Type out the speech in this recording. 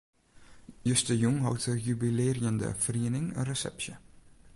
Justerjûn hold de jubilearjende feriening in resepsje.